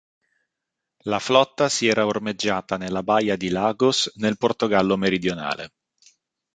La flotta si era ormeggiata nella baia di Lagos nel Portogallo meridionale.